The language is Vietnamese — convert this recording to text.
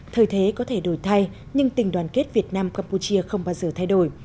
thời thế có thể đổi thay nhưng tình đoàn kết việt nam campuchia không bao giờ thay đổi